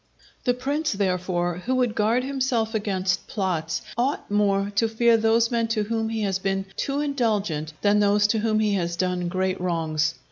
The prince, therefore, who would guard himself against plots, ought more to fear those men to whom he has been too indulgent, than those to whom he has done great wrongs.